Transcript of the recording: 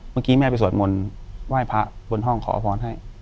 เมื่อกี้แม่ไปสวดมนต์ไหว้พระบนห้องขอพรให้